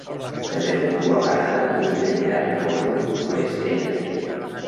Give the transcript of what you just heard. També efectua parada un tren de Llarg Recorregut, l'Estrella.